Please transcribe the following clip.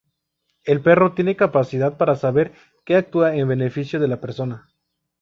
El perro tiene capacidad para saber que actúa en beneficio de la persona.